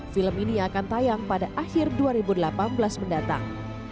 film ini akan tayang pada akhir dua ribu delapan belas mendatang